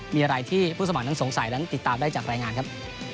มีอะไรที่ผู้สมัครนั้นสงสัยนั้นติดตามได้จากรายงานครับ